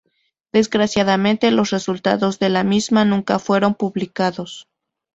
Desgraciadamente los resultados de la misma, nunca fueron publicados.